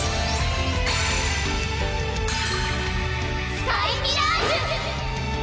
スカイミラージュ！